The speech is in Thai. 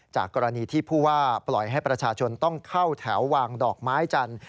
จากกรณีที่ผู้ว่าปล่อยให้ประชาชนต้องเข้าแถววางดอกไม้จันทร์